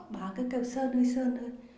bà ấy cứ kêu sơn đuôi sơn thôi